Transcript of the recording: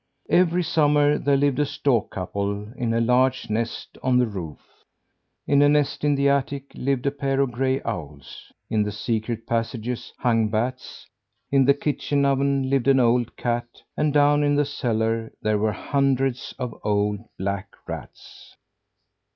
Every summer there lived a stork couple in a large nest on the roof. In a nest in the attic lived a pair of gray owls; in the secret passages hung bats; in the kitchen oven lived an old cat; and down in the cellar there were hundreds of old black rats.